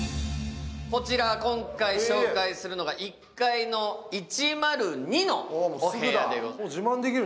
こちら今回紹介するのが１階の１０２のお部屋でございます。